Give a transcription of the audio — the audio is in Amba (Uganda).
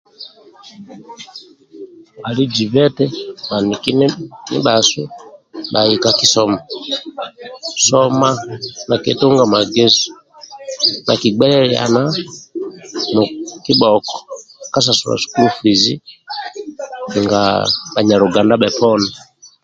Ali zibe eti bhaniki ndibhasu bhai ka kisomo soma bhakitunga magezi bhakigbeliiana ka kibhoko ka sasulu sukulu fizi nga bhanyaluganda bhoponi